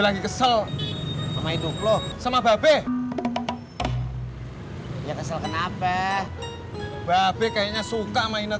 jadi kita mau kesran nostra untuk srian's asap mocha nih